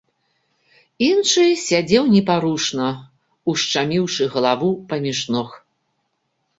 Іншы сядзеў непарушна, ушчаміўшы галаву паміж ног.